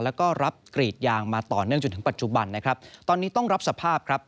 แล้วก็รับกรีดยางมาต่อเนื่องจนถึงปัจจุบันนะครับตอนนี้ต้องรับสภาพครับ